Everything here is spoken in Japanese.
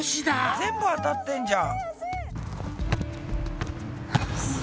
全部当たってんじゃん。